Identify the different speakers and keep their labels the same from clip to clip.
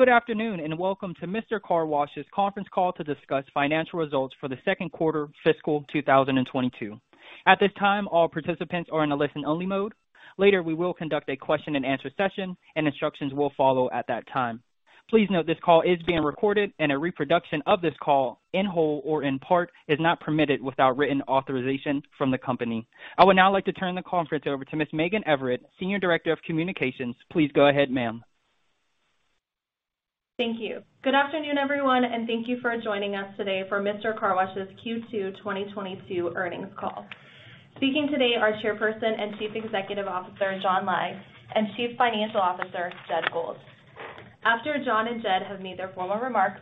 Speaker 1: Good afternoon, and welcome to Mister Car Wash's conference call to discuss financial results for the second quarter fiscal 2022. At this time, all participants are in a listen-only mode. Later, we will conduct a question-and-answer session, and instructions will follow at that time. Please note this call is being recorded, and a reproduction of this call, in whole or in part, is not permitted without written authorization from the company. I would now like to turn the conference over to Ms. Megan Everett, Senior Director of Communications. Please go ahead, ma'am.
Speaker 2: Thank you. Good afternoon, everyone, and thank you for joining us today for Mister Car Wash's Q2 2022 earnings call. Speaking today are Chairperson and Chief Executive Officer, John Lai, and Chief Financial Officer, Jed Gold. After John and Jed have made their formal remarks,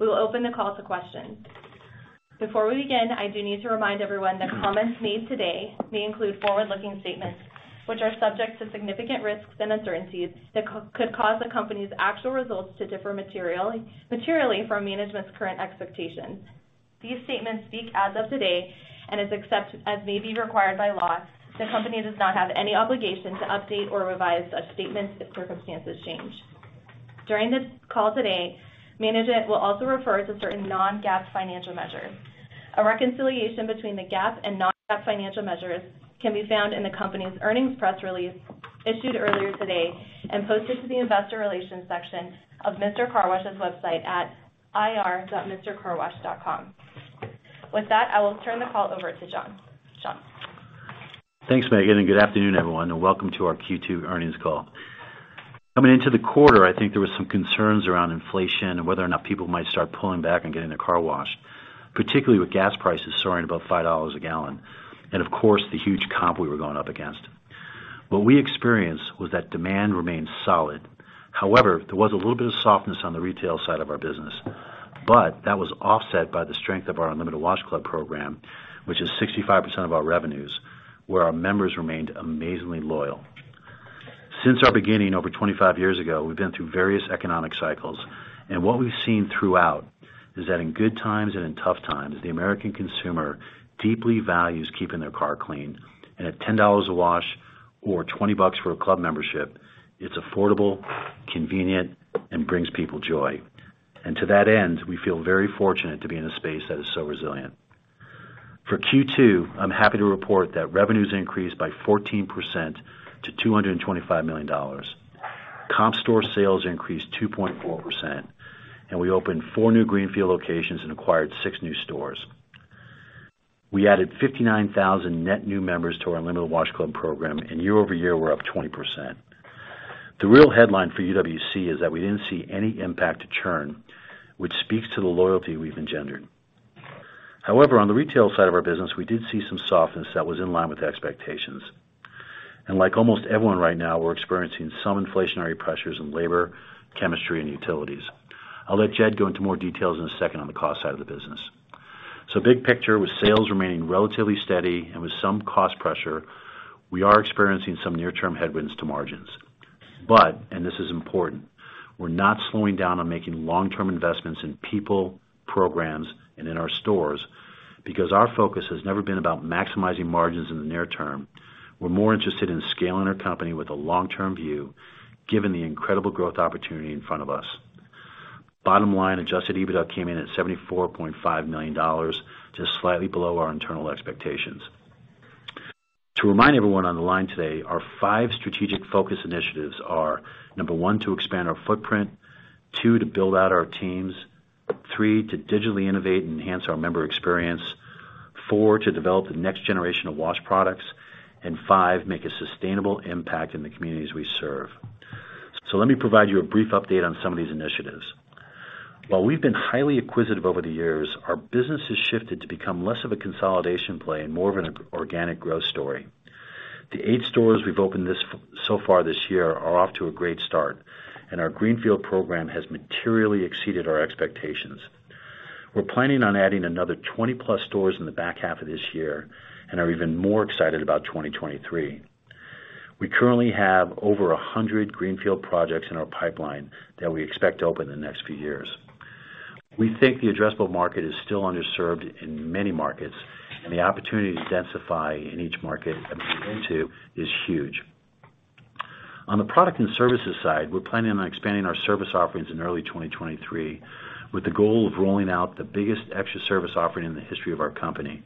Speaker 2: we will open the call to questions. Before we begin, I do need to remind everyone that comments made today may include forward-looking statements, which are subject to significant risks and uncertainties that could cause the company's actual results to differ materially from management's current expectations. These statements speak as of today and except as may be required by law. The company does not have any obligation to update or revise such statements if circumstances change. During this call today, management will also refer to certain non-GAAP financial measures. A reconciliation between the GAAP and non-GAAP financial measures can be found in the company's earnings press release issued earlier today and posted to the investor relations section of Mister Car Wash's website at ir.mistercarwash.com. With that, I will turn the call over to John. John.
Speaker 3: Thanks, Megan, and good afternoon, everyone, and welcome to our Q2 earnings call. Coming into the quarter, I think there was some concerns around inflation and whether or not people might start pulling back on getting their car washed, particularly with gas prices soaring above $5 a gallon, and of course, the huge comp we were going up against. What we experienced was that demand remained solid. However, there was a little bit of softness on the retail side of our business, but that was offset by the strength of our Unlimited Wash Club program, which is 65% of our revenues, where our members remained amazingly loyal. Since our beginning over 25 years ago, we've been through various economic cycles, and what we've seen throughout is that in good times and in tough times, the American consumer deeply values keeping their car clean. At $10 a wash or $20 for a club membership, it's affordable, convenient, and brings people joy. To that end, we feel very fortunate to be in a space that is so resilient. For Q2, I'm happy to report that revenues increased by 14% to $225 million. Comp store sales increased 2.4%, and we opened four new greenfield locations and acquired six new stores. We added 59,000 net new members to our Unlimited Wash Club program, and year-over-year, we're up 20%. The real headline for UWC is that we didn't see any impact to churn, which speaks to the loyalty we've engendered. However, on the retail side of our business, we did see some softness that was in line with expectations. Like almost everyone right now, we're experiencing some inflationary pressures in labor, chemistry, and utilities. I'll let Jed go into more details in a second on the cost side of the business. Big picture, with sales remaining relatively steady and with some cost pressure, we are experiencing some near-term headwinds to margins. and this is important, we're not slowing down on making long-term investments in people, programs, and in our stores, because our focus has never been about maximizing margins in the near term. We're more interested in scaling our company with a long-term view, given the incredible growth opportunity in front of us. Bottom line, Adjusted EBITDA came in at $74.5 million, just slightly below our internal expectations. To remind everyone on the line today, our five strategic focus initiatives are, number one, to expand our footprint. Two, to build out our teams. Three, to digitally innovate and enhance our member experience. Four, to develop the next generation of wash products. Five, make a sustainable impact in the communities we serve. Let me provide you a brief update on some of these initiatives. While we've been highly acquisitive over the years, our business has shifted to become less of a consolidation play and more of an organic growth story. The eight stores we've opened so far this year are off to a great start, and our greenfield program has materially exceeded our expectations. We're planning on adding another 20+ stores in the back half of this year and are even more excited about 2023. We currently have over 100 greenfield projects in our pipeline that we expect to open in the next few years. We think the addressable market is still underserved in many markets, and the opportunity to densify in each market that we move into is huge. On the product and services side, we're planning on expanding our service offerings in early 2023, with the goal of rolling out the biggest extra service offering in the history of our company.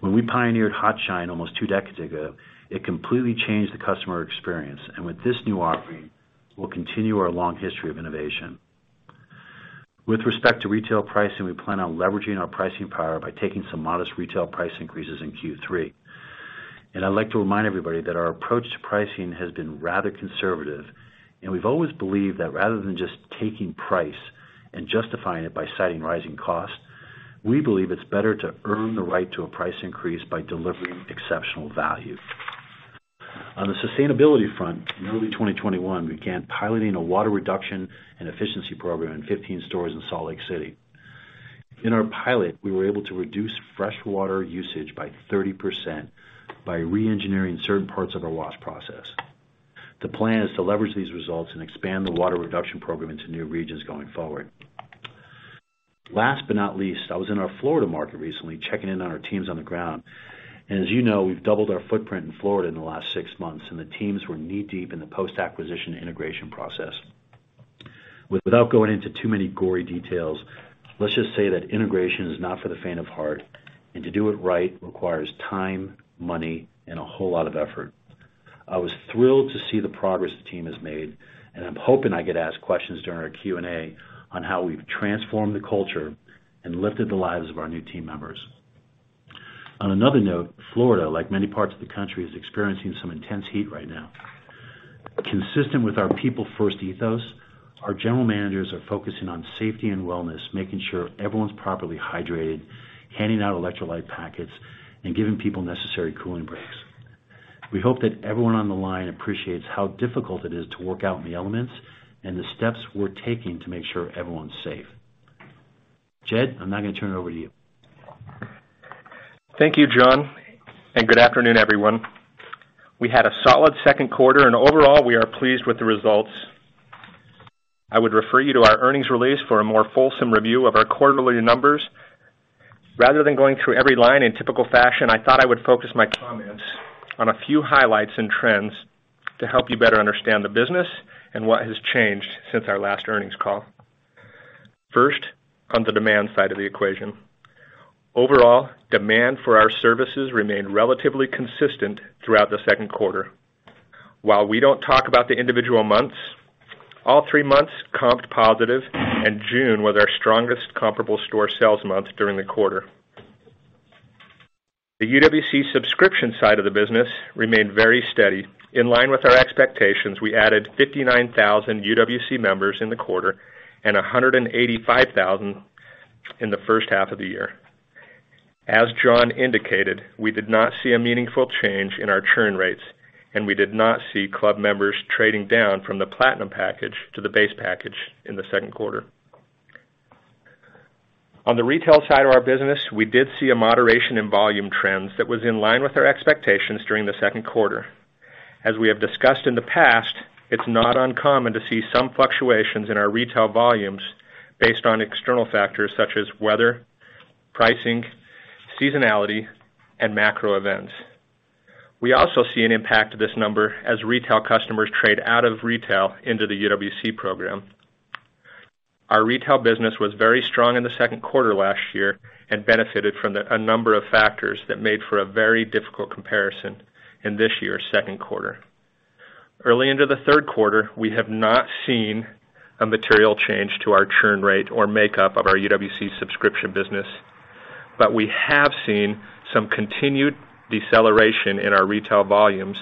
Speaker 3: When we pioneered HotShine almost two decades ago, it completely changed the customer experience, and with this new offering, we'll continue our long history of innovation. With respect to retail pricing, we plan on leveraging our pricing power by taking some modest retail price increases in Q3. I'd like to remind everybody that our approach to pricing has been rather conservative, and we've always believed that rather than just taking price and justifying it by citing rising costs, we believe it's better to earn the right to a price increase by delivering exceptional value. On the sustainability front, in early 2021, we began piloting a water reduction and efficiency program in 15 stores in Salt Lake City. In our pilot, we were able to reduce fresh water usage by 30% by re-engineering certain parts of our wash process. The plan is to leverage these results and expand the water reduction program into new regions going forward. Last but not least, I was in our Florida market recently checking in on our teams on the ground. As you know, we've doubled our footprint in Florida in the last six months, and the teams were knee-deep in the post-acquisition integration process. Without going into too many gory details, let's just say that integration is not for the faint of heart, and to do it right requires time, money, and a whole lot of effort. I was thrilled to see the progress the team has made, and I'm hoping I get asked questions during our Q&A on how we've transformed the culture and lifted the lives of our new team members. On another note, Florida, like many parts of the country, is experiencing some intense heat right now. Consistent with our people first ethos, our general managers are focusing on safety and wellness, making sure everyone's properly hydrated, handing out electrolyte packets, and giving people necessary cooling breaks. We hope that everyone on the line appreciates how difficult it is to work out in the elements and the steps we're taking to make sure everyone's safe. Jed, I'm now gonna turn it over to you.
Speaker 4: Thank you, John, and good afternoon, everyone. We had a solid second quarter and overall, we are pleased with the results. I would refer you to our earnings release for a more fulsome review of our quarterly numbers. Rather than going through every line in typical fashion, I thought I would focus my comments on a few highlights and trends to help you better understand the business and what has changed since our last earnings call. First, on the demand side of the equation. Overall, demand for our services remained relatively consistent throughout the second quarter. While we don't talk about the individual months, all three months comped positive, and June was our strongest comparable store sales month during the quarter. The UWC subscription side of the business remained very steady. In line with our expectations, we added 59,000 UWC members in the quarter and 185,000 in the first half of the year. As John indicated, we did not see a meaningful change in our churn rates, and we did not see club members trading down from the Platinum package to the Base package in the second quarter. On the retail side of our business, we did see a moderation in volume trends that was in line with our expectations during the second quarter. As we have discussed in the past, it's not uncommon to see some fluctuations in our retail volumes based on external factors such as weather, pricing, seasonality, and macro events. We also see an impact to this number as retail customers trade out of retail into the UWC program. Our retail business was very strong in the second quarter last year and benefited from the number of factors that made for a very difficult comparison in this year's second quarter. Early into the third quarter, we have not seen a material change to our churn rate or makeup of our UWC subscription business, but we have seen some continued deceleration in our retail volumes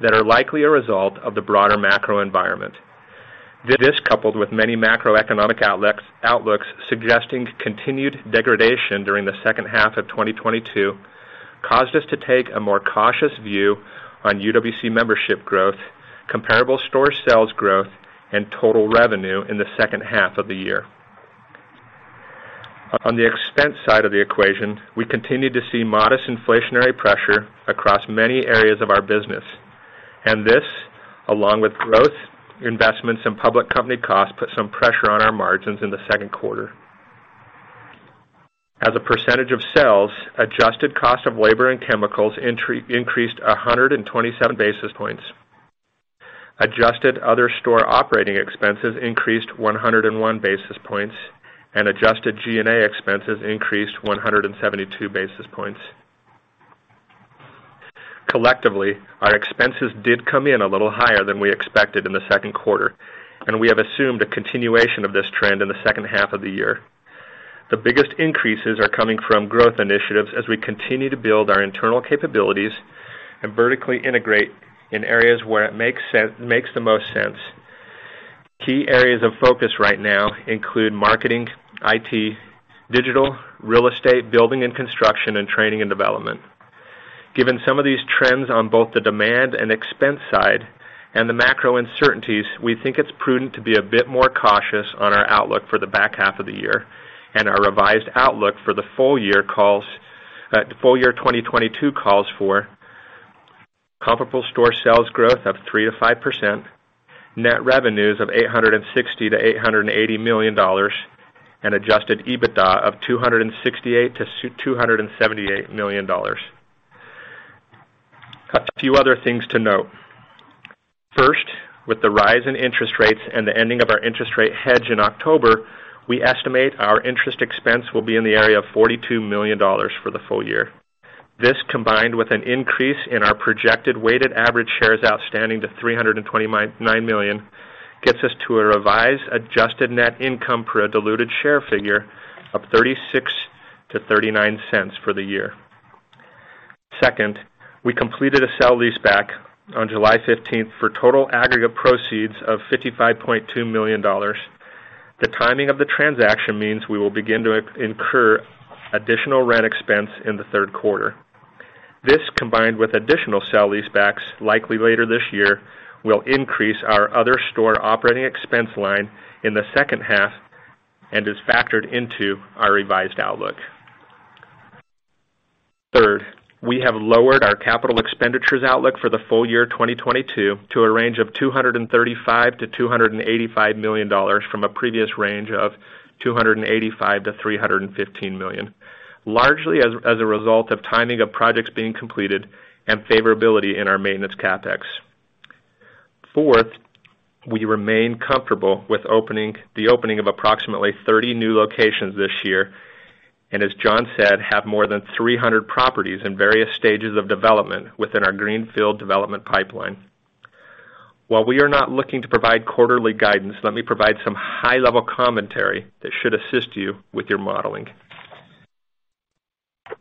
Speaker 4: that are likely a result of the broader macro environment. This, coupled with many macroeconomic outlooks suggesting continued degradation during the second half of 2022, caused us to take a more cautious view on UWC membership growth, comparable store sales growth, and total revenue in the second half of the year. On the expense side of the equation, we continued to see modest inflationary pressure across many areas of our business. This, along with growth, investments in public company costs, put some pressure on our margins in the second quarter. As a percentage of sales, adjusted cost of labor and chemicals increased 127 basis points. Adjusted other store operating expenses increased 101 basis points, and adjusted G&A expenses increased 172 basis points. Collectively, our expenses did come in a little higher than we expected in the second quarter, and we have assumed a continuation of this trend in the second half of the year. The biggest increases are coming from growth initiatives as we continue to build our internal capabilities and vertically integrate in areas where it makes the most sense. Key areas of focus right now include marketing, IT, digital, real estate, building and construction, and training and development. Given some of these trends on both the demand and expense side and the macro uncertainties, we think it's prudent to be a bit more cautious on our outlook for the back half of the year. Our revised outlook for the full year 2022 calls for comparable store sales growth of 3%-5%, net revenues of $860 million-$880 million, and Adjusted EBITDA of $268 million-$278 million. Got a few other things to note. First, with the rise in interest rates and the ending of our interest rate hedge in October, we estimate our interest expense will be in the area of $42 million for the full year. This, combined with an increase in our projected weighted average shares outstanding to 329 million, gets us to a revised adjusted net income per diluted share figure of $0.36-$0.39 for the year. Second, we completed a sale-leaseback on July 15th for total aggregate proceeds of $55.2 million. The timing of the transaction means we will begin to incur additional rent expense in the third quarter. This, combined with additional sale leasebacks likely later this year, will increase our other store operating expense line in the second half and is factored into our revised outlook. Third, we have lowered our capital expenditures outlook for the full year 2022 to a range of $235 million-$285 million from a previous range of $285 million-$315 million, largely as a result of timing of projects being completed and favorability in our maintenance CapEx. Fourth, we remain comfortable with the opening of approximately 30 new locations this year, and as John said, have more than 300 properties in various stages of development within our greenfield development pipeline. While we are not looking to provide quarterly guidance, let me provide some high level commentary that should assist you with your modeling.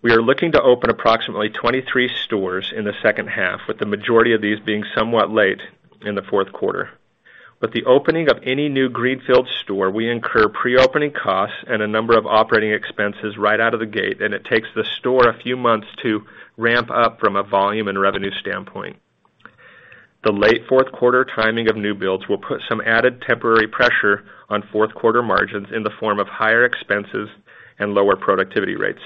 Speaker 4: We are looking to open approximately 23 stores in the second half, with the majority of these being somewhat late in the fourth quarter. With the opening of any new greenfield store, we incur pre-opening costs and a number of operating expenses right out of the gate, and it takes the store a few months to ramp up from a volume and revenue standpoint. The late fourth quarter timing of new builds will put some added temporary pressure on fourth quarter margins in the form of higher expenses and lower productivity rates.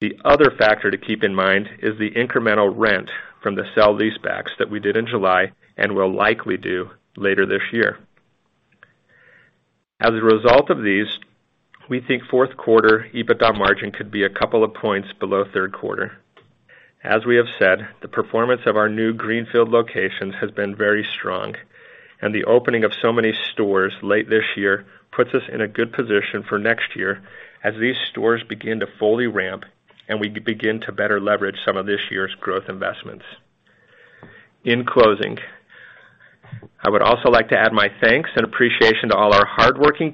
Speaker 4: The other factor to keep in mind is the incremental rent from the sale-leasebacks that we did in July and will likely do later this year. As a result of these, we think fourth quarter EBITDA margin could be a couple of points below third quarter. As we have said, the performance of our new greenfield locations has been very strong, and the opening of so many stores late this year puts us in a good position for next year as these stores begin to fully ramp and we begin to better leverage some of this year's growth investments. In closing, I would also like to add my thanks and appreciation to all our hardworking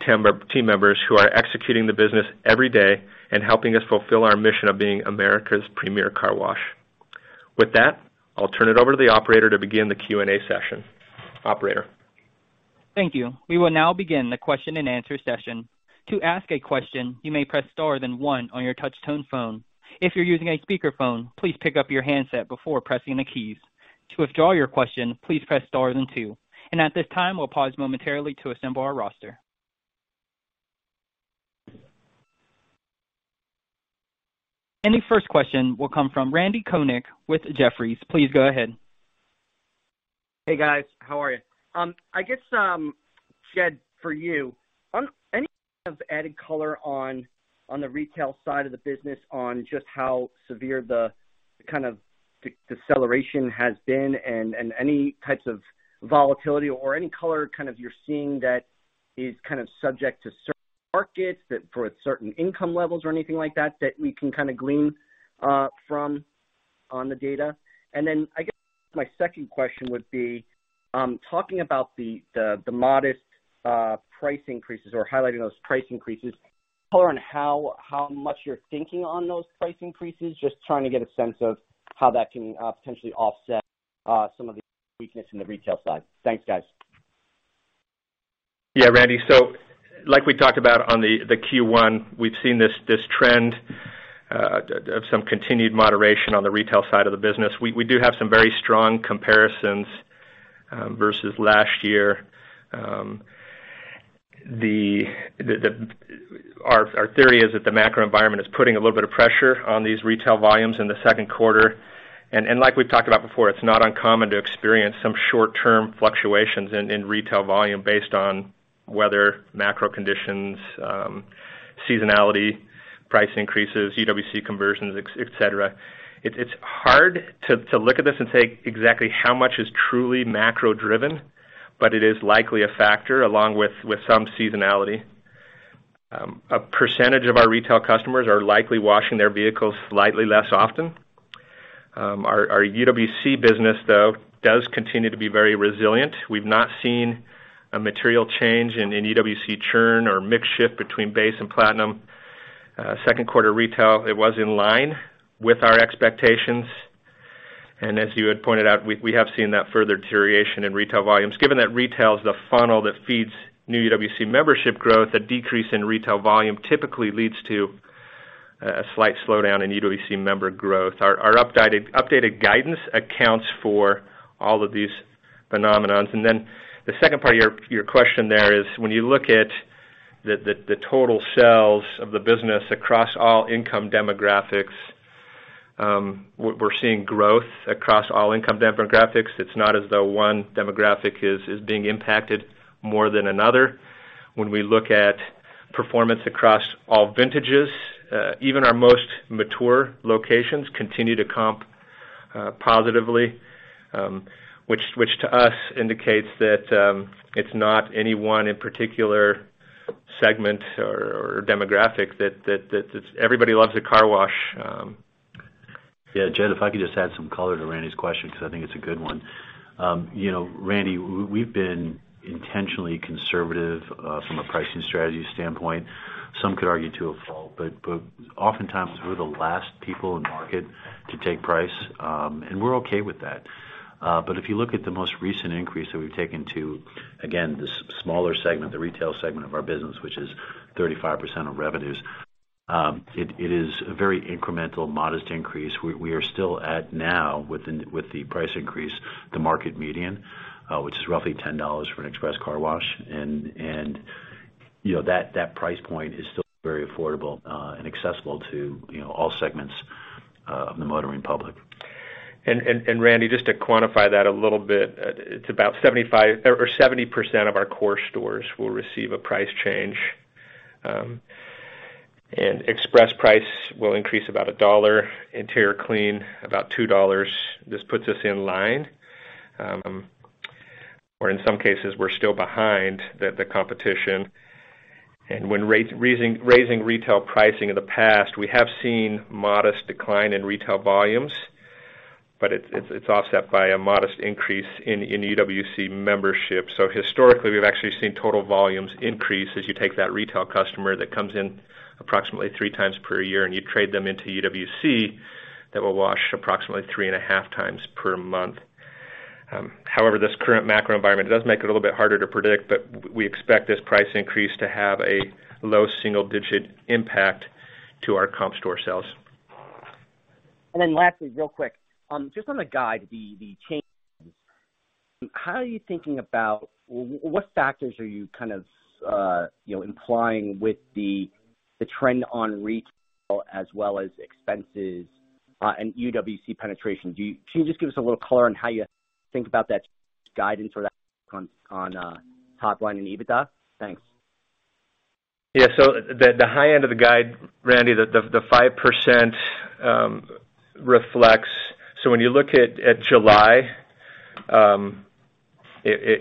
Speaker 4: team members who are executing the business every day and helping us fulfill our mission of being America's premier car wash. With that, I'll turn it over to the operator to begin the Q&A session. Operator?
Speaker 1: Thank you. We will now begin the question-and-answer session. To ask a question, you may press star then one on your touch tone phone. If you're using a speaker phone, please pick up your handset before pressing the keys. To withdraw your question, please press star then two. At this time, we'll pause momentarily to assemble our roster. Your first question will come from Randal Konik with Jefferies. Please go ahead.
Speaker 5: Hey, guys. How are you? I guess, Jed, for you, any kind of added color on the retail side of the business on just how severe the kind of deceleration has been and any types of volatility or any color kind of you're seeing that is kind of subject to certain markets that for certain income levels or anything like that we can kind of glean from the data? I guess my second question would be, talking about the modest price increases or highlighting those price increases, color on how much you're thinking on those price increases, just trying to get a sense of how that can potentially offset some of the weakness in the retail side. Thanks, guys.
Speaker 4: Yeah, Randy. So like we talked about on the Q1, we've seen this trend of some continued moderation on the retail side of the business. We do have some very strong comparisons versus last year. Our theory is that the macro environment is putting a little bit of pressure on these retail volumes in the second quarter. Like we've talked about before, it's not uncommon to experience some short-term fluctuations in retail volume based on weather, macro conditions, seasonality, price increases, UWC conversions, etc. It's hard to look at this and say exactly how much is truly macro-driven, but it is likely a factor along with some seasonality. A percentage of our retail customers are likely washing their vehicles slightly less often. Our UWC business, though, does continue to be very resilient. We've not seen a material change in UWC churn or mix shift between Base and Platinum. Second quarter retail, it was in line with our expectations. As you had pointed out, we have seen that further deterioration in retail volumes. Given that retail is the funnel that feeds new UWC membership growth, a decrease in retail volume typically leads to a slight slowdown in UWC member growth. Our updated guidance accounts for all of these phenomena. Then the second part of your question there is when you look at the total sales of the business across all income demographics, we're seeing growth across all income demographics. It's not as though one demographic is being impacted more than another. When we look at performance across all vintages, even our most mature locations continue to comp positively, which to us indicates that it's not any one in particular segment or demographic that everybody loves a car wash.
Speaker 3: Yeah. Jed, if I could just add some color to Randy's question, because I think it's a good one. You know, Randy, we've been intentionally conservative from a pricing strategy standpoint, some could argue to a fault. Oftentimes we're the last people in market to take price, and we're okay with that. If you look at the most recent increase that we've taken to, again, the smaller segment, the retail segment of our business, which is 35% of revenues, it is a very incremental, modest increase. We are still at now with the price increase, the market median, which is roughly $10 for an express car wash. You know, that price point is still very affordable, and accessible to, you know, all segments of the motoring public.
Speaker 4: Randy, just to quantify that a little bit, it's about 75% or 70% of our core stores will receive a price change. Express price will increase about $1, interior clean about $2. This puts us in line, or in some cases, we're still behind the competition. When raising retail pricing in the past, we have seen modest decline in retail volumes, but it's offset by a modest increase in UWC membership. Historically, we've actually seen total volumes increase as you take that retail customer that comes in approximately 3x per year, and you trade them into UWC that will wash approximately 3.5x per month. However, this current macro environment does make it a little bit harder to predict, but we expect this price increase to have a low single-digit impact to our comp store sales.
Speaker 5: Then lastly, real quick, just on the guide, the changes, how are you thinking about what factors are you kind of, you know, implying with the trend on retail as well as expenses, and UWC penetration? Can you just give us a little color on how you think about that guidance or that on top line and EBITDA? Thanks.
Speaker 4: Yeah. The high end of the guide, Randy, the 5% reflects. When you look at July, it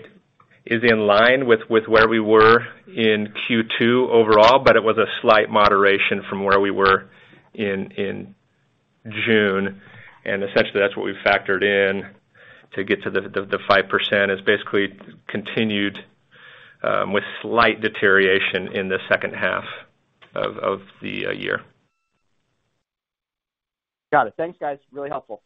Speaker 4: is in line with where we were in Q2 overall, but it was a slight moderation from where we were in June. Essentially, that's what we factored in to get to the 5%. It's basically continued with slight deterioration in the second half of the year.
Speaker 5: Got it. Thanks, guys. Really helpful.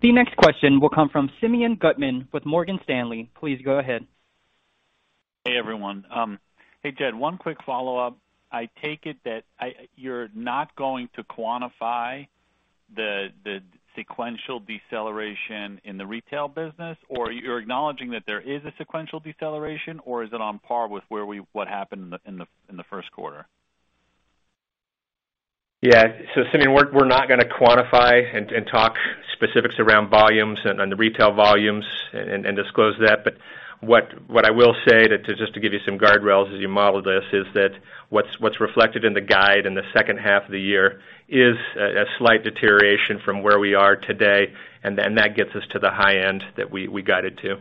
Speaker 1: The next question will come from Simeon Gutman with Morgan Stanley. Please go ahead.
Speaker 6: Hey, everyone. Hey, Jed, one quick follow-up. I take it that you're not going to quantify the sequential deceleration in the retail business, or you're acknowledging that there is a sequential deceleration, or is it on par with what happened in the first quarter?
Speaker 4: Yeah. Simeon, we're not gonna quantify and talk specifics around volumes and the retail volumes and disclose that. What I will say that to, just to give you some guardrails as you model this, is that what's reflected in the guide in the second half of the year is a slight deterioration from where we are today, and then that gets us to the high end that we guided to,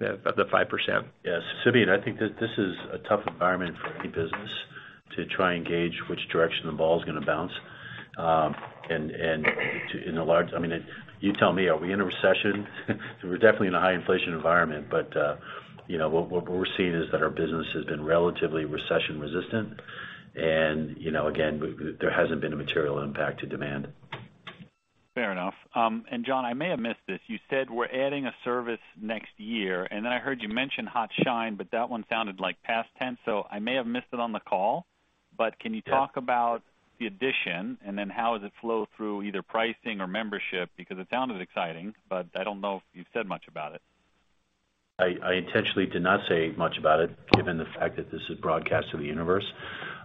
Speaker 4: the 5%.
Speaker 3: Yes. Simeon, I think this is a tough environment for any business to try and gauge which direction the ball's gonna bounce. I mean, you tell me, are we in a recession? We're definitely in a high inflation environment, but you know, what we're seeing is that our business has been relatively recession-resistant, and you know, again, there hasn't been a material impact to demand.
Speaker 6: Fair enough. John, I may have missed this. You said we're adding a service next year, and then I heard you mention HotShine, but that one sounded like past tense, so I may have missed it on the call.
Speaker 3: Yes.
Speaker 6: Can you talk about the addition and then how does it flow through either pricing or membership? Because it sounded exciting, but I don't know if you've said much about it.
Speaker 3: I intentionally did not say much about it, given the fact that this is broadcast to the universe.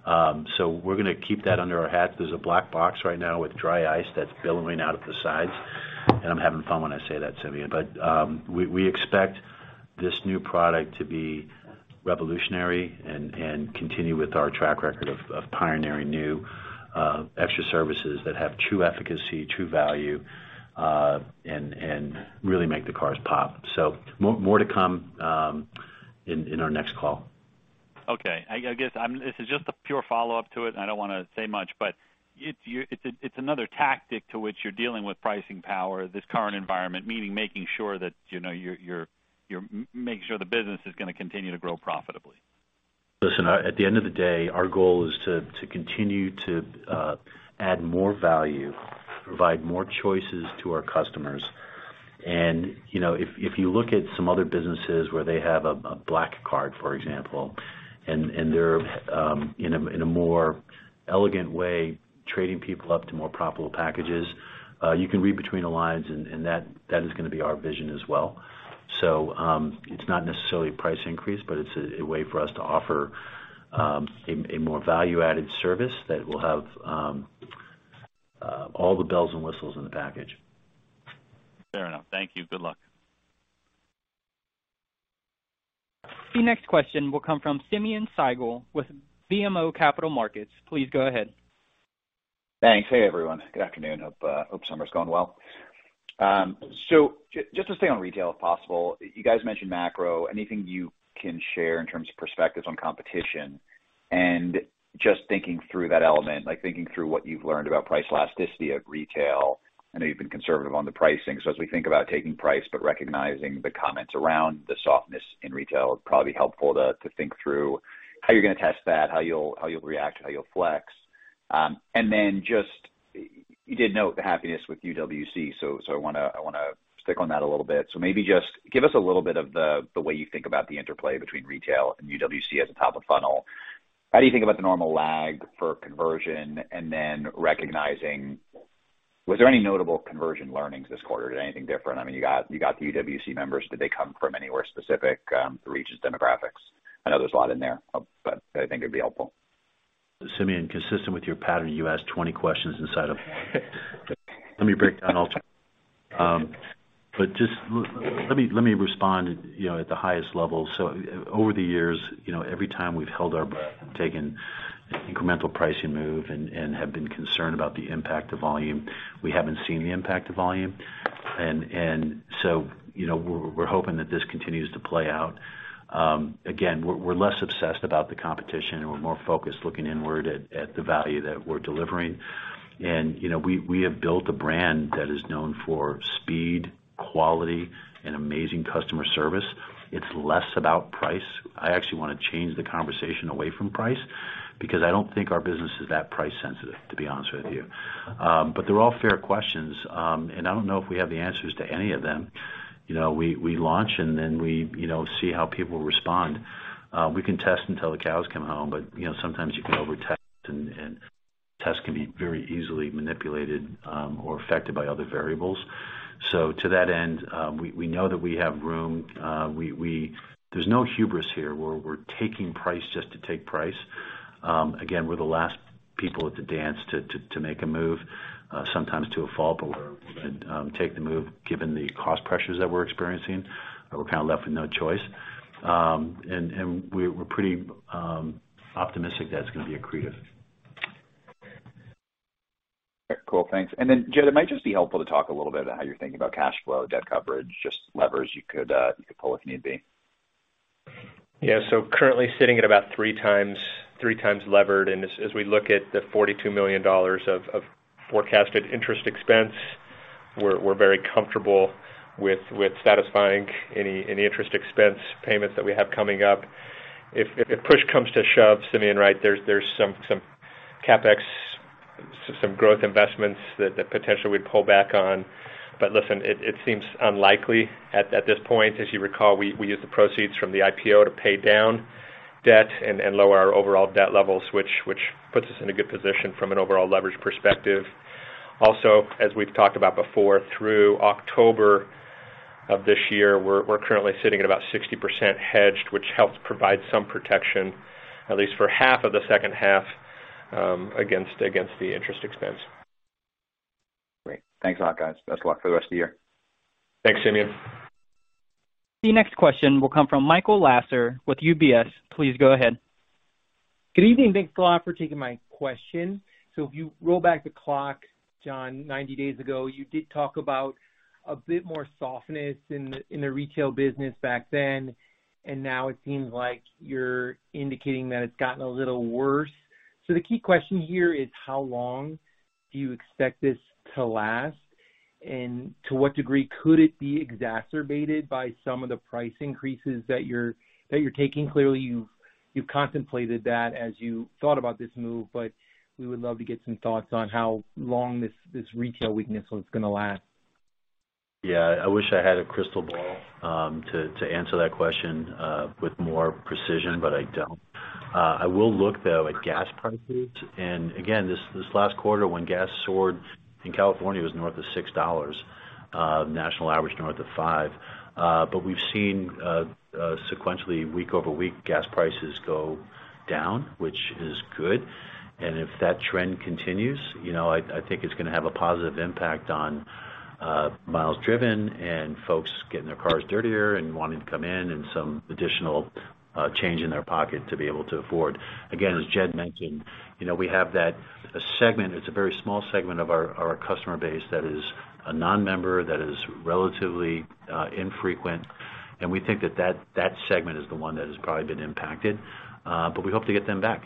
Speaker 3: We're gonna keep that under our hat. There's a black box right now with dry ice that's billowing out of the sides, and I'm having fun when I say that, Simeon. We expect this new product to be revolutionary and continue with our track record of pioneering new extra services that have true efficacy, true value, and really make the cars pop. More to come in our next call.
Speaker 6: Okay. I guess this is just a pure follow-up to it, and I don't wanna say much, but it's another tactic to which you're dealing with pricing power, this current environment, meaning making sure that, you know, you're making sure the business is gonna continue to grow profitably.
Speaker 3: Listen, at the end of the day, our goal is to continue to add more value, provide more choices to our customers. You know, if you look at some other businesses where they have a black card, for example, and they're in a more elegant way, trading people up to more profitable packages, you can read between the lines and that is gonna be our vision as well. It's not necessarily a price increase, but it's a way for us to offer a more value-added service that will have all the bells and whistles in the package.
Speaker 6: Fair enough. Thank you. Good luck.
Speaker 1: The next question will come from Simeon Siegel with BMO Capital Markets. Please go ahead.
Speaker 7: Thanks. Hey, everyone. Good afternoon. Hope summer's going well. Just to stay on retail, if possible, you guys mentioned macro. Anything you can share in terms of perspectives on competition? Just thinking through that element, like, thinking through what you've learned about price elasticity of retail, I know you've been conservative on the pricing. As we think about taking price, but recognizing the comments around the softness in retail, it's probably helpful to think through how you're gonna test that, how you'll react, how you'll flex. You did note the happiness with UWC, so I wanna stick on that a little bit. Maybe just give us a little bit of the way you think about the interplay between retail and UWC as a top of funnel. How do you think about the normal lag for conversion? Was there any notable conversion learnings this quarter? Did anything different? I mean, you got the UWC members. Did they come from anywhere specific, regions, demographics? I know there's a lot in there, but I think it'd be helpful.
Speaker 3: Simeon, consistent with your pattern, you asked 20 questions inside of one. Let me break down all 20. But just let me respond, you know, at the highest level. Over the years, you know, every time we've taken incremental pricing move and have been concerned about the impact to volume, we haven't seen the impact to volume. We're hoping that this continues to play out. Again, we're less obsessed about the competition, and we're more focused looking inward at the value that we're delivering. You know, we have built a brand that is known for speed, quality, and amazing customer service. It's less about price. I actually wanna change the conversation away from price because I don't think our business is that price sensitive, to be honest with you. They're all fair questions, and I don't know if we have the answers to any of them. You know, we launch, and then we, you know, see how people respond. We can test until the cows come home, but you know, sometimes you can over test, and tests can be very easily manipulated, or affected by other variables. To that end, we know that we have room. There's no hubris here, where we're taking price just to take price. Again, we're the last people at the dance to make a move, sometimes to a fault, but take the move, given the cost pressures that we're experiencing, we're kinda left with no choice, and we're pretty optimistic that it's gonna be accretive.
Speaker 7: Cool, thanks. Jed, it might just be helpful to talk a little bit about how you're thinking about cash flow, debt coverage, just levers you could pull if need be.
Speaker 4: Yeah. Currently sitting at about 3x levered, and as we look at the $42 million of forecasted interest expense, we're very comfortable with satisfying any interest expense payments that we have coming up. If push comes to shove, Simeon, right, there's some CapEx, so some growth investments that potentially we pull back on. Listen, it seems unlikely at this point. As you recall, we used the proceeds from the IPO to pay down debt and lower our overall debt levels, which puts us in a good position from an overall leverage perspective. Also, as we've talked about before, through October of this year, we're currently sitting at about 60% hedged, which helps provide some protection, at least for half of the second half, against the interest expense.
Speaker 7: Great. Thanks a lot, guys. Best of luck for the rest of the year.
Speaker 4: Thanks, Simeon.
Speaker 1: The next question will come from Michael Lasser with UBS. Please go ahead.
Speaker 8: Good evening, and thanks a lot for taking my question. If you roll back the clock, John, 90 days ago, you did talk about a bit more softness in the retail business back then, and now it seems like you're indicating that it's gotten a little worse. The key question here is how long do you expect this to last? To what degree could it be exacerbated by some of the price increases that you're taking? Clearly, you've contemplated that as you thought about this move, but we would love to get some thoughts on how long this retail weakness is gonna last.
Speaker 3: Yeah. I wish I had a crystal ball to answer that question with more precision, but I don't. I will look, though, at gas prices. Again, this last quarter when gas soared in California was north of $6, national average north of $5. But we've seen sequentially week-over-week gas prices go down, which is good. If that trend continues, you know, I think it's gonna have a positive impact on miles driven and folks getting their cars dirtier and wanting to come in and some additional change in their pocket to be able to afford. Again, as Jed mentioned, you know, we have that segment. It's a very small segment of our customer base that is a non-member that is relatively infrequent, and we think that segment is the one that has probably been impacted, but we hope to get them back.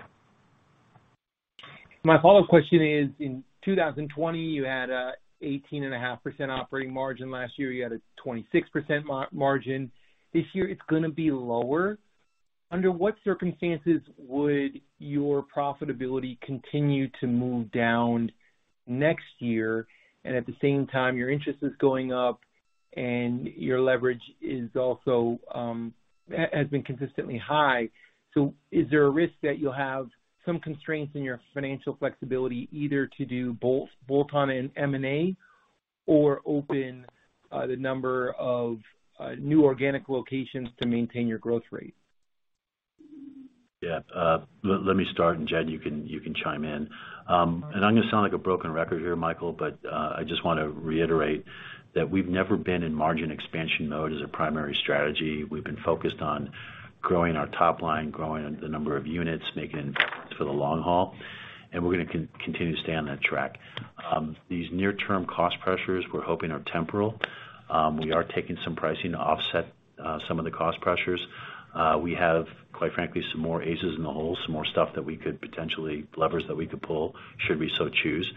Speaker 8: My follow-up question is, in 2020, you had an 18.5% operating margin. Last year, you had a 26% margin. This year, it's gonna be lower. Under what circumstances would your profitability continue to move down next year? And at the same time, your interest is going up, and your leverage is also, has been consistently high. Is there a risk that you'll have some constraints in your financial flexibility either to do bolt-on in M&A or open the number of new organic locations to maintain your growth rate?
Speaker 3: Yeah. Let me start, and Jed, you can chime in. I'm gonna sound like a broken record here, Michael, but I just wanna reiterate that we've never been in margin expansion mode as a primary strategy. We've been focused on growing our top line, growing the number of units, making investments for the long haul, and we're gonna continue to stay on that track. These near-term cost pressures we're hoping are temporary. We are taking some pricing to offset some of the cost pressures. We have, quite frankly, some more aces in the hole, some more potential levers that we could pull should we so choose.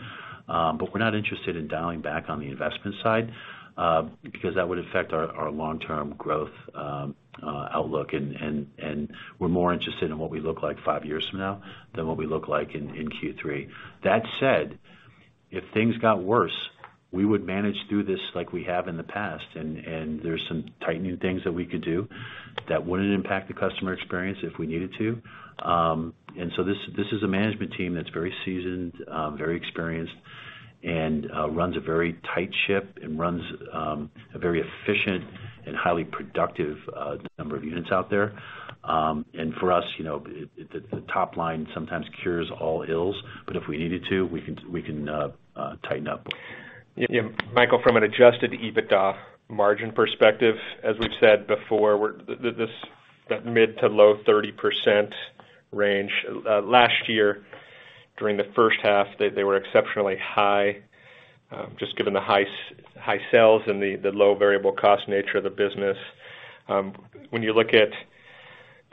Speaker 3: We're not interested in dialing back on the investment side, because that would affect our long-term growth outlook. We're more interested in what we look like five years from now than what we look like in Q3. That said, if things got worse, we would manage through this like we have in the past, and there's some tightening things that we could do that wouldn't impact the customer experience if we needed to. This is a management team that's very seasoned, very experienced. It runs a very tight ship and runs a very efficient and highly productive number of units out there. For us, you know, the top line sometimes cures all ills, but if we needed to, we can tighten up.
Speaker 4: Yeah. Michael, from an Adjusted EBITDA margin perspective, as we've said before, that mid- to low-30% range. Last year, during the first half, they were exceptionally high, just given the high sales and the low variable cost nature of the business. When you look at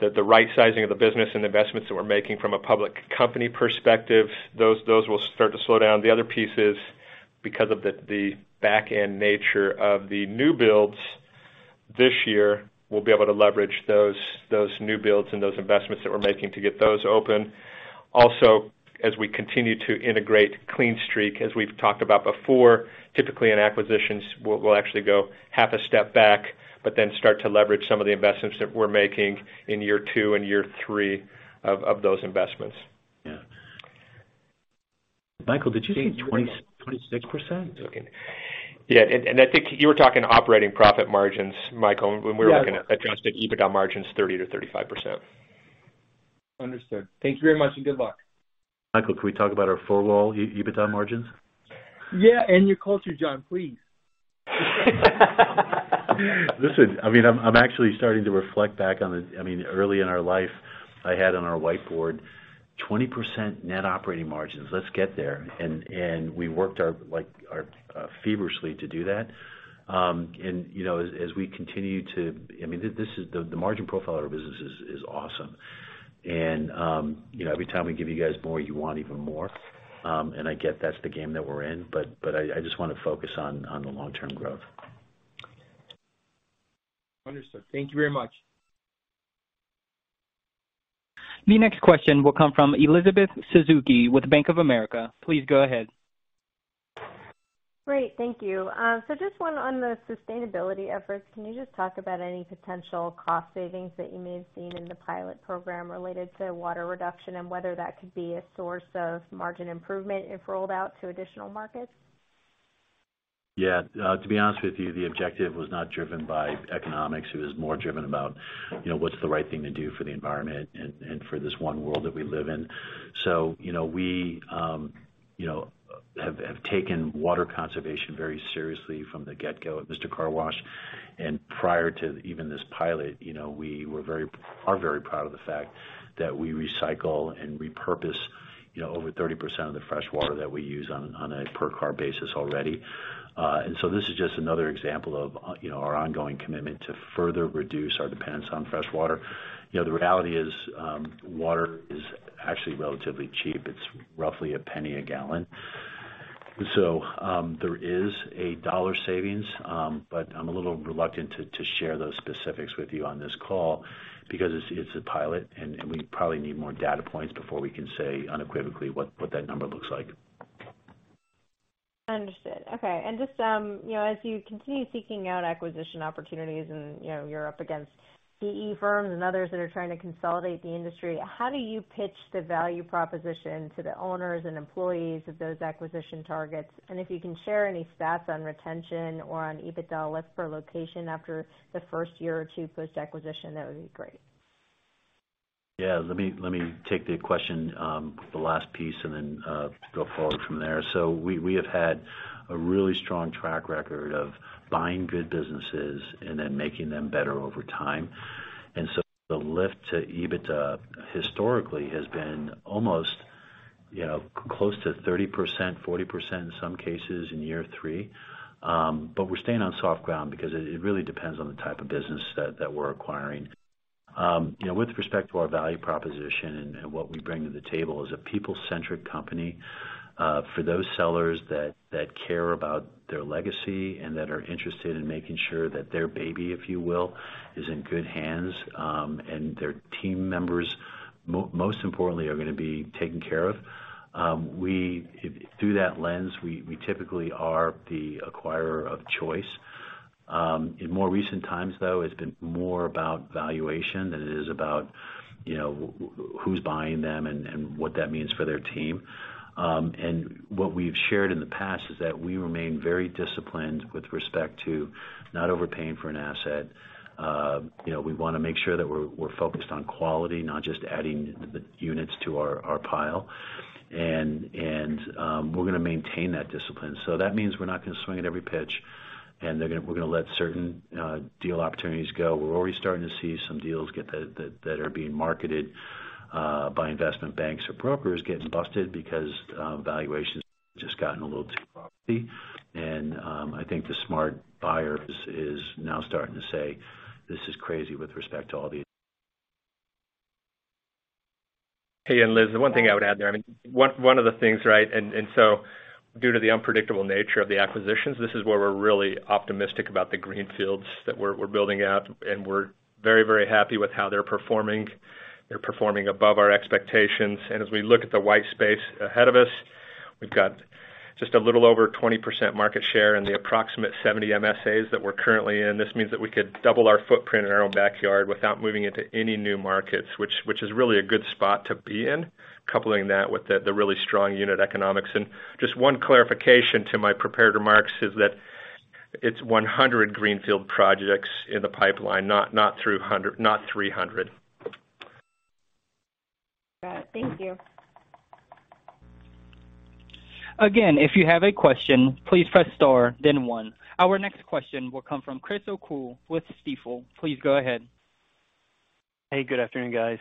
Speaker 4: the right sizing of the business and investments that we're making from a public company perspective, those will start to slow down. The other piece is because of the back-end nature of the new builds this year, we'll be able to leverage those new builds and those investments that we're making to get those open. Also, as we continue to integrate Clean Streak, as we've talked about before, typically in acquisitions, we'll actually go half a step back, but then start to leverage some of the investments that we're making in year two and year three of those investments.
Speaker 3: Yeah. Michael, did you say 26%?
Speaker 4: Yeah. I think you were talking operating profit margins, Michael, when we were looking at Adjusted EBITDA margins 30%-35%.
Speaker 8: Understood. Thank you very much, and good luck.
Speaker 3: Michael, can we talk about our full-year EBITDA margins?
Speaker 8: Yeah, you're closer, John, please.
Speaker 3: Listen, I'm actually starting to reflect back on the early in our life, I had on our whiteboard, 20% net operating margins. Let's get there. We worked feverishly to do that. You know, this is the margin profile of our business is awesome. You know, every time we give you guys more, you want even more. I get that's the game that we're in, but I just wanna focus on the long-term growth.
Speaker 8: Understood. Thank you very much.
Speaker 1: The next question will come from Elizabeth Suzuki with Bank of America. Please go ahead.
Speaker 9: Great. Thank you. Just one on the sustainability efforts. Can you just talk about any potential cost savings that you may have seen in the pilot program related to water reduction and whether that could be a source of margin improvement if rolled out to additional markets?
Speaker 3: Yeah. To be honest with you, the objective was not driven by economics. It was more driven about, you know, what's the right thing to do for the environment and for this one world that we live in. You know, we have taken water conservation very seriously from the get-go at Mister Car Wash. Prior to even this pilot, you know, we are very proud of the fact that we recycle and repurpose, you know, over 30% of the fresh water that we use on a per car basis already. This is just another example of, you know, our ongoing commitment to further reduce our dependence on fresh water. You know, the reality is, water is actually relatively cheap. It's roughly $0.01 a gallon. There is a dollar savings, but I'm a little reluctant to share those specifics with you on this call because it's a pilot and we probably need more data points before we can say unequivocally what that number looks like.
Speaker 9: Understood. Okay. Just, you know, as you continue seeking out acquisition opportunities and, you know, you're up against PE firms and others that are trying to consolidate the industry, how do you pitch the value proposition to the owners and employees of those acquisition targets? If you can share any stats on retention or on EBITDA lift per location after the first year or two post-acquisition, that would be great.
Speaker 3: Yeah. Let me take the question, the last piece and then go forward from there. We have had a really strong track record of buying good businesses and then making them better over time. The lift to EBITDA historically has been almost, you know, close to 30%, 40% in some cases in year three. But we're staying on soft ground because it really depends on the type of business that we're acquiring. You know, with respect to our value proposition and what we bring to the table as a people-centric company, for those sellers that care about their legacy and that are interested in making sure that their baby, if you will, is in good hands, and their team members most importantly, are gonna be taken care of. Through that lens, we typically are the acquirer of choice. In more recent times, though, it's been more about valuation than it is about, you know, who's buying them and what that means for their team. What we've shared in the past is that we remain very disciplined with respect to not overpaying for an asset. You know, we wanna make sure that we're focused on quality, not just adding the units to our pile. We're gonna maintain that discipline. That means we're not gonna swing at every pitch, and we're gonna let certain deal opportunities go. We're already starting to see some deals that are being marketed by investment banks or brokers getting busted because valuations just gotten a little too frothy. I think the smart buyer is now starting to say, this is crazy with respect to all the.
Speaker 4: Hey, Liz, the one thing I would add there, I mean, one of the things, right? Due to the unpredictable nature of the acquisitions, this is where we're really optimistic about the greenfields that we're building out, and we're very, very happy with how they're performing. They're performing above our expectations. As we look at the white space ahead of us, we've got just a little over 20% market share in the approximately 70 MSAs that we're currently in. This means that we could double our footprint in our own backyard without moving into any new markets, which is really a good spot to be in, coupling that with the really strong unit economics. Just one clarification to my prepared remarks is that it's 100 greenfield projects in the pipeline, not 300.
Speaker 9: Got it. Thank you.
Speaker 1: Again, if you have a question, please press star then one. Our next question will come from Chris O'Cull with Stifel. Please go ahead.
Speaker 10: Hey, good afternoon, guys.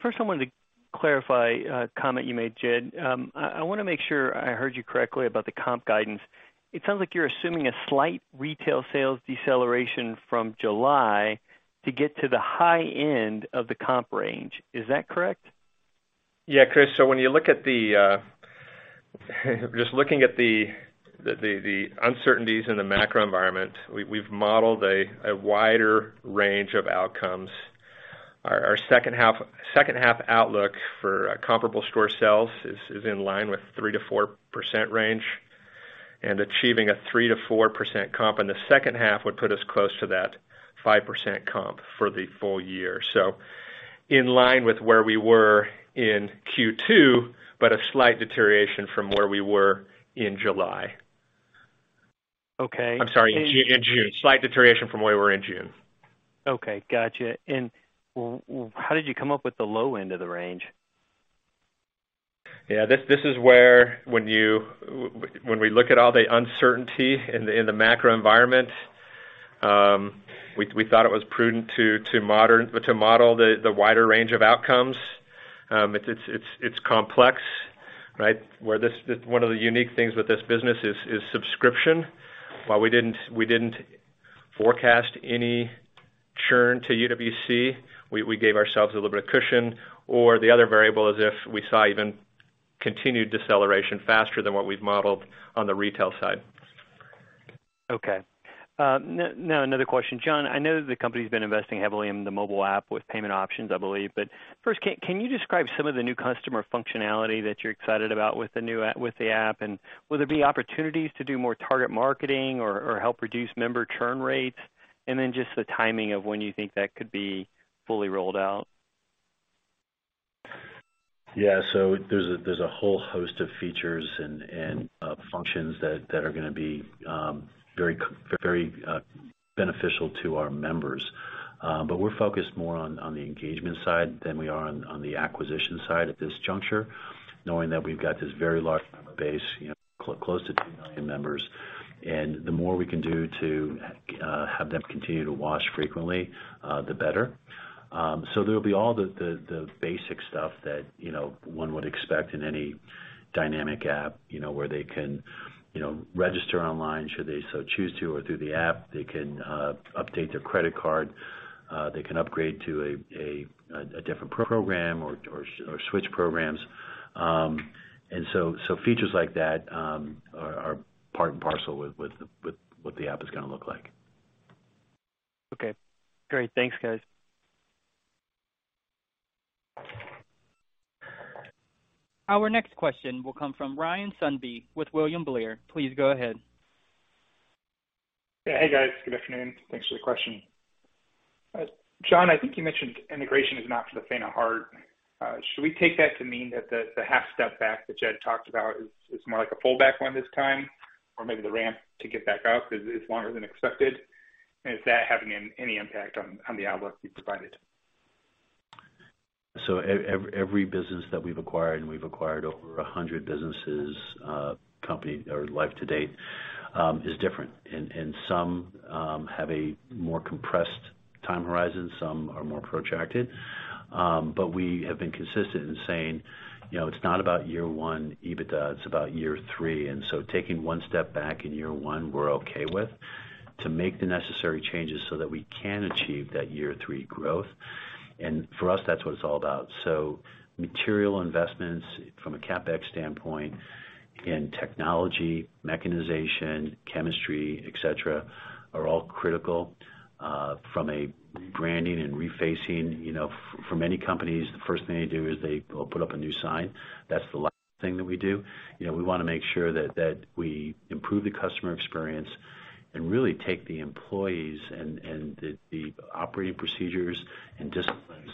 Speaker 10: First I wanted to clarify a comment you made, Jed. I wanna make sure I heard you correctly about the comp guidance. It sounds like you're assuming a slight retail sales deceleration from July to get to the high end of the comp range. Is that correct?
Speaker 4: Yeah, Chris. Just looking at the uncertainties in the macro environment, we've modeled a wider range of outcomes. Our second half outlook for comparable store sales is in line with 3%-4% range, and achieving a 3%-4% comp in the second half would put us close to that 5% comp for the full year. In line with where we were in Q2, but a slight deterioration from where we were in July.
Speaker 10: Okay.
Speaker 4: I'm sorry, in June. Slight deterioration from where we were in June.
Speaker 10: Okay. Gotcha. How did you come up with the low end of the range?
Speaker 4: Yeah. This is where when we look at all the uncertainty in the macro environment, we thought it was prudent to model the wider range of outcomes. It's complex, right? Where this one of the unique things with this business is subscription. While we didn't forecast any churn to UWC, we gave ourselves a little bit of cushion. The other variable is if we saw even continued deceleration faster than what we've modeled on the retail side.
Speaker 10: Okay. Now another question. John, I know the company's been investing heavily in the mobile app with payment options, I believe. First, can you describe some of the new customer functionality that you're excited about with the new app? And will there be opportunities to do more target marketing or help reduce member churn rates? And then just the timing of when you think that could be fully rolled out.
Speaker 3: Yeah. There's a whole host of features and functions that are gonna be very beneficial to our members. We're focused more on the engagement side than we are on the acquisition side at this juncture, knowing that we've got this very large customer base, you know, close to 2 million members. The more we can do to have them continue to wash frequently, the better. There'll be all the basic stuff that, you know, one would expect in any dynamic app. You know, where they can, you know, register online should they so choose to or through the app. They can update their credit card. They can upgrade to a different program or switch programs. Features like that are part and parcel with what the app is gonna look like.
Speaker 10: Okay. Great. Thanks, guys.
Speaker 1: Our next question will come from Ryan Sundby with William Blair. Please go ahead.
Speaker 11: Yeah. Hey, guys. Good afternoon. Thanks for the question. John, I think you mentioned integration is not for the faint of heart. Should we take that to mean that the half step back that Jed talked about is more like a full step back this time? Or maybe the ramp to get back up is longer than expected? Is that having any impact on the outlook you provided?
Speaker 3: Every business that we've acquired, and we've acquired over 100 businesses company-wide life to date, is different. Some have a more compressed time horizon, some are more protracted. We have been consistent in saying, you know, it's not about year one EBITDA, it's about year three. Taking one step back in year one, we're okay with to make the necessary changes so that we can achieve that year three growth. For us, that's what it's all about. Material investments from a CapEx standpoint in technology, mechanization, chemistry, etc., are all critical from a branding and refacing. You know, for many companies, the first thing they do is they will put up a new sign. That's the last thing that we do. You know, we wanna make sure that we improve the customer experience and really take the employees and the operating procedures and disciplines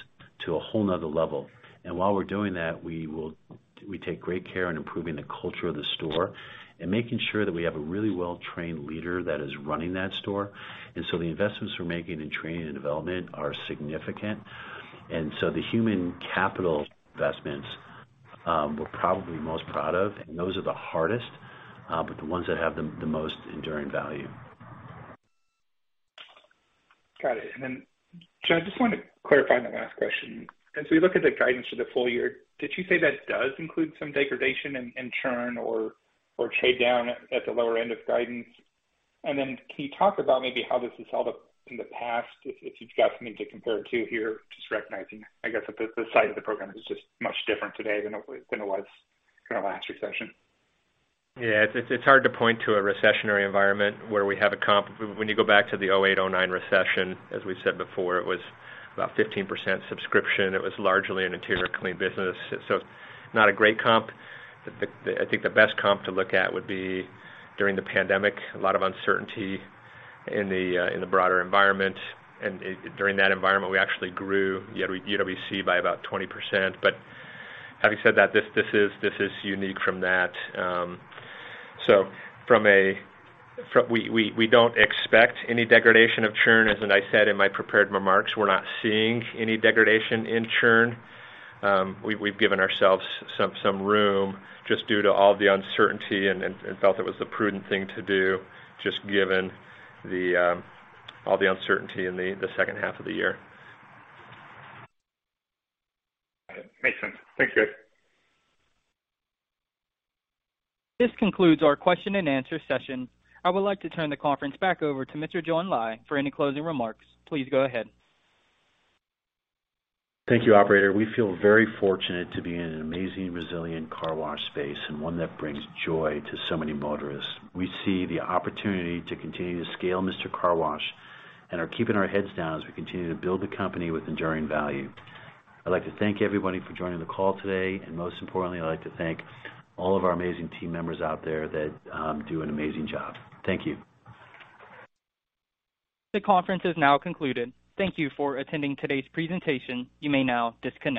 Speaker 3: to a whole nother level. While we're doing that, we take great care in improving the culture of the store and making sure that we have a really well-trained leader that is running that store. The investments we're making in training and development are significant. The human capital investments, we're probably most proud of, and those are the hardest, but the ones that have the most enduring value.
Speaker 11: Got it. John, I just wanted to clarify my last question. As we look at the guidance for the full year, did you say that does include some degradation in churn or trade down at the lower end of guidance? Can you talk about maybe how this has held up in the past, if you've got something to compare to here, just recognizing, I guess, that the size of the program is just much different today than it was in our last recession.
Speaker 4: Yeah. It's hard to point to a recessionary environment where we have a comp. When you go back to the 2008, 2009 recession, as we said before, it was about 15% subscription. It was largely an interior clean business, so not a great comp. I think the best comp to look at would be during the pandemic. A lot of uncertainty in the broader environment. During that environment, we actually grew UWC by about 20%. Having said that, this is unique from that. We don't expect any degradation of churn. As I said in my prepared remarks, we're not seeing any degradation in churn. We've given ourselves some room just due to all the uncertainty and felt it was the prudent thing to do just given all the uncertainty in the second half of the year.
Speaker 11: Got it. Makes sense. Thanks, guys.
Speaker 1: This concludes our question-and-answer session. I would like to turn the conference back over to Mr. John Lai for any closing remarks. Please go ahead.
Speaker 3: Thank you, operator. We feel very fortunate to be in an amazing, resilient car wash space and one that brings joy to so many motorists. We see the opportunity to continue to scale Mister Car Wash and are keeping our heads down as we continue to build the company with enduring value. I'd like to thank everybody for joining the call today. Most importantly, I'd like to thank all of our amazing team members out there that do an amazing job. Thank you.
Speaker 1: The conference is now concluded. Thank you for attending today's presentation. You may now disconnect.